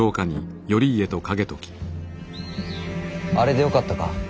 あれでよかったか。